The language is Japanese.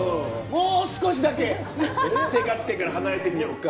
もう少しだけ生活圏から離れてみよか。